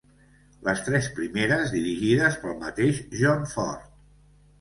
Les tres primeres dirigides pel mateix John Ford.